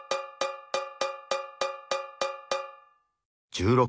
１６。